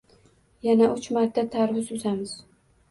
Yana uch marta tarvuz uzamiz.